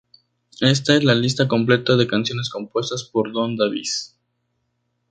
Esta es la lista completa de canciones compuestas por Don Davis.